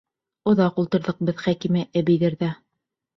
Оҙаҡ ултырҙыҡ беҙ Хәкимә әбейҙәрҙә.